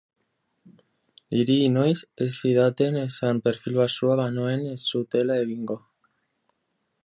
Niri inoiz ez zidaten esan perfil baxua banuen ez zutela egingo.